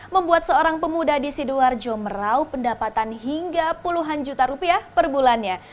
membuat seorang pemuda di sidoarjo merauh pendapatan hingga puluhan juta rupiah per bulannya